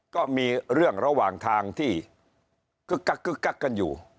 ก็มีเรื่องระหว่างทางที่กึ๊กกักกันอยู่